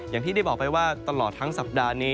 อย่างที่ได้บอกไปว่าตลอดทั้งสัปดาห์นี้